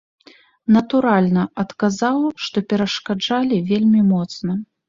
Натуральна, адказаў, што перашкаджалі вельмі моцна.